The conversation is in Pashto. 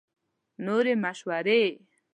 نورې مشورې